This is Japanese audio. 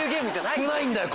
少ないんだよ